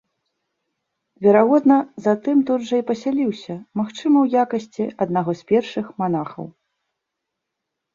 Верагодна, затым тут жа і пасяліўся, магчыма, у якасці аднаго з першых манахаў.